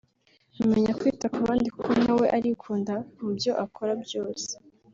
amenya kwita ku bandi kuko nawe arikunda mu byo akora byose